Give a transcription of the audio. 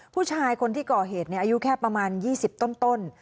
ผู้ชายคนที่ก่อเหตุอายุแค่ประมาณ๒๐ต้น